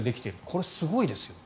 これ、すごいですよ。